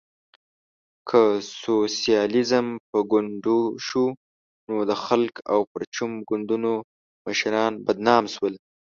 که سوسیالیزم په ګونډو شو، نو د خلق او پرچم ګوندونو مشران بدنام شول.